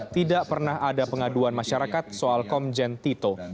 tidak pernah ada pengaduan masyarakat soal komjen tito